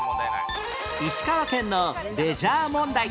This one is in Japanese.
石川県のレジャー問題